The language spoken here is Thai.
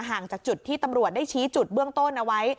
ห่างจากจุดที่ตำรวจได้ชี้จุดเบื้องต้นเอาไว้